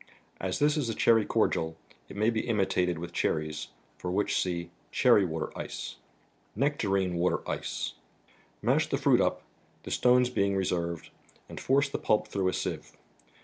As this is a cherry cordial, it may be imitated with cherries, for which see " Cherry Water Ice." Nectarine mater 3|ce. M f h w up , the stones being reserved, and force the pulp through a sieve.